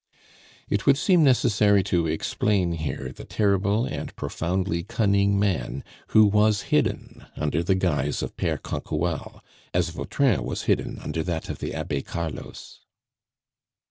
It would seem necessary to explain here the terrible and profoundly cunning man who was hidden under the guise of Pere Canquoelle, as Vautrin was hidden under that of the Abbe Carlos.